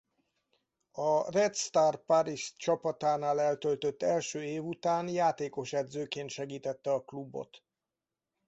A Red Star Paris csapatánál eltöltött első év után játékosedzőként segítette a klubot.